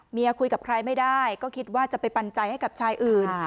คุยกับใครไม่ได้ก็คิดว่าจะไปปันใจให้กับชายอื่น